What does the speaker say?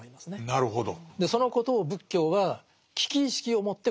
なるほど。